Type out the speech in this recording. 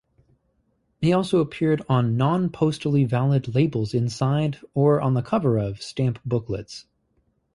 He also appeared on non-postally-valid labels inside, or on the cover of, stamp booklets.